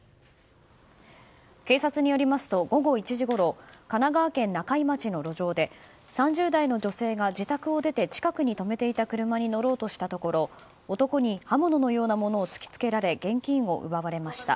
警察によりますと午後１時ごろ神奈川県中井町の路上で３０代の女性が自宅を出て近くに止めていた車に乗ろうとしたところ男に刃物のようなものを突き付けられ現金を奪われました。